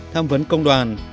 tham vấn công đoàn